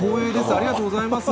ありがとうございます。